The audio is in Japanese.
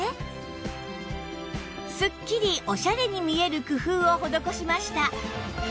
すっきりオシャレに見える工夫を施しました